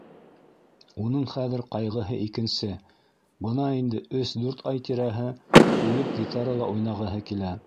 Уның хәҙер ҡайғыһы икенсе: бына инде өс-дүрт ай тирәһе үлеп гитарала уйнағыһы килә.